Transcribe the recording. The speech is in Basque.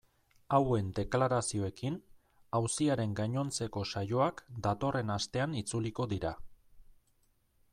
Hauen deklarazioekin auziaren gainontzeko saioak datorren astean itzuliko dira.